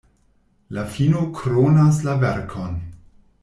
La fino kronas la verkon.